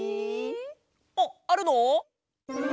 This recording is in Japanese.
あっあるの？